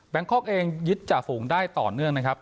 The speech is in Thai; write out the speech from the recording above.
คอกเองยึดจ่าฝูงได้ต่อเนื่องนะครับ